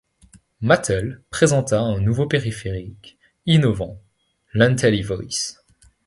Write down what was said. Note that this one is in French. Mattel présenta un nouveau périphérique innovant, l'Intellivoice.